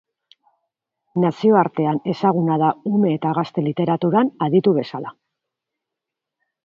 Nazioartean ezaguna da ume eta gazte literaturan aditu bezala.